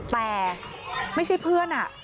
แต่ไม่ใช่เพื่อน